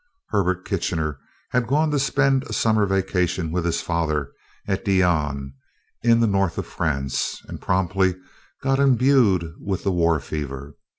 Herbert Kitchener had gone to spend a summer vacation with his father, at Dinan in the north of France, and promptly got imbued with the war fever.